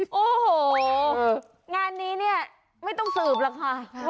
โอ้โหงานนี้เนี่ยไม่ต้องสืบหรอกค่ะ